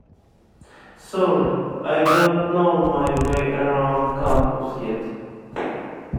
Sorry, I don't know my way around campus yet.